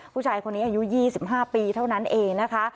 ผู้ชายคนนี้อายุ๒๕ปีเท่านั้นเองนะคะ